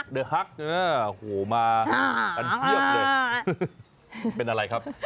เดอร์ฮักเจอมากันเพียบเลยเป็นอะไรครับ